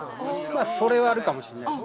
それはあるかもしれない。